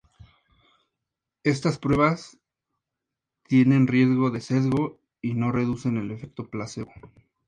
Estas pruebas tienen riesgo de sesgo y no reducen el efecto placebo.